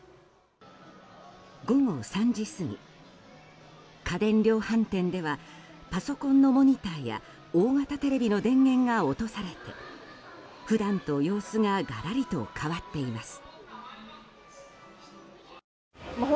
午後３時過ぎ、家電量販店ではパソコンのモニターや大型テレビの電源が落とされて普段と様子ががらりと変わっています。